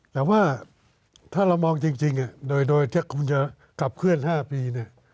แต่ว่าถ้าเรามองจริงโดยที่จะกลับเคลื่อน๕ปี